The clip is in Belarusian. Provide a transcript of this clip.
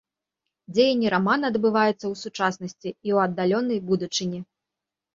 Дзеянне рамана адбываецца ў сучаснасці і ў аддаленай будучыні.